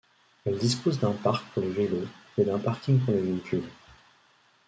Elle dispose d'un parc pour les vélos et d'un parking pour les véhicules.